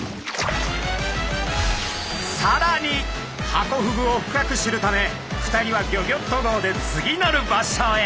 さらにハコフグを深く知るため２人はギョギョッと号で次なる場所へ。